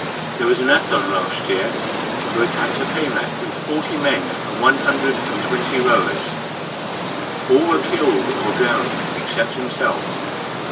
There was an Athon last year who attacked a pehmet with forty men and one hundred and twenty rowers. All were killed or drowned except himself.